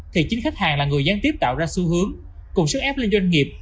thì chính khách hàng là người gián tiếp tạo ra xu hướng cùng sức ép lên doanh nghiệp